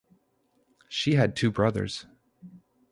She had two brothers.